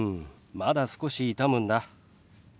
まだ少し痛むんだ。